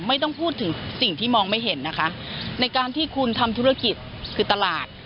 ไม่ต้องพูดถึงสิ่งที่มองไม่เห็นนะคะในการที่คุณทำธุรกิจคือตลาด